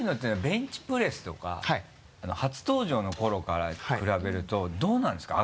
ベンチプレスとか初登場の頃から比べるとどうなんですか？